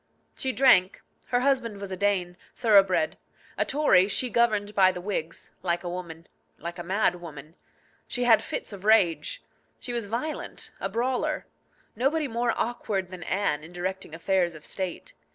She drank. Her husband was a Dane, thoroughbred. A Tory, she governed by the Whigs like a woman, like a mad woman. She had fits of rage. She was violent, a brawler. Nobody more awkward than Anne in directing affairs of state.